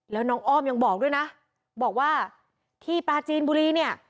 แล้วน้องอ้อมยังบอกด้วยนะบอกว่าที่ปลาจีนบุรีเนี่ย